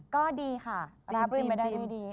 ก็ดีค่ะรับรีมาได้ด้วยดี